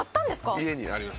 家にあります。